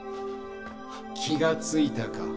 気がついたか。